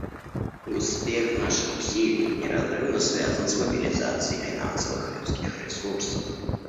Успех наших усилий неразрывно связан с мобилизацией финансовых и людских ресурсов.